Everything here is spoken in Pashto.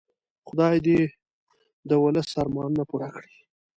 خدای دې د ولس ارمانونه پوره کړي.